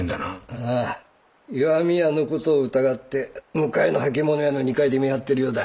ああ石見屋の事を疑って向かいの履物屋の２階で見張ってるようだ。